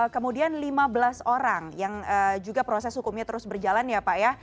kemudian lima belas orang yang juga proses hukumnya terus berjalan ya pak ya